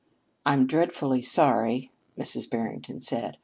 "I'm dreadfully sorry," Mrs. Barrington said.